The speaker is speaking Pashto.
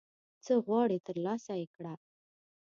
څه غواړي ترلاسه یې کړه